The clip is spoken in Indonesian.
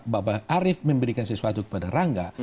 bapak arief memberikan sesuatu kepada rangga